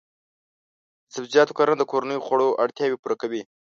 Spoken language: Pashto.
د سبزیجاتو کرنه د کورنیو خوړو اړتیاوې پوره کوي.